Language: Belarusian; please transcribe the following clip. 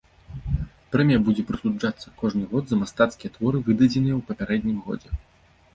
Прэмія будзе прысуджацца кожны год за мастацкія творы, выдадзеныя ў папярэднім годзе.